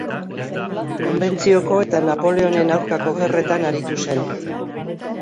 Konbentzioko eta Napoleonen aurkako gerretan aritu zen.